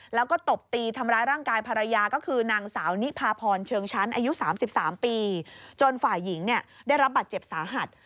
แล้วก็ตบตีทำร้ายร่างกายภรรยาก็คือนางสาวนิพาพรเชิงชั้นอายุ๓๓ปีจนฝ่ายหญิงเนี่ยได้รับบาดเจ็บสาหัส